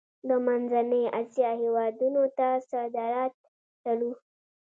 د منځنۍ اسیا هیوادونو ته صادرات لرو؟